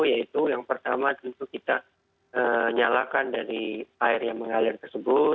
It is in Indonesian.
yaitu yang pertama tentu kita nyalakan dari air yang mengalir tersebut